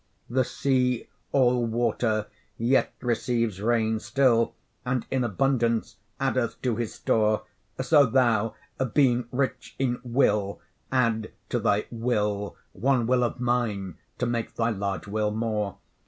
The sea, all water, yet receives rain still, And in abundance addeth to his store; So thou, being rich in 'Will,' add to thy 'Will' One will of mine, to make thy large will more.